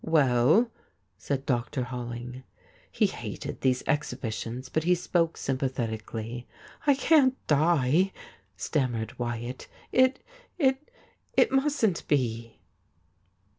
' Well ?' said Dr. HoUing. He hated these exhibitions, but he spoke sympathetically. ' I can't die !' stammered Wyatt, ' It — it — it mustn't be.'